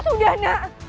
putraku sudah nak